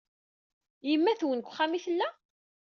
Yemma-twen deg uxxam ay tella?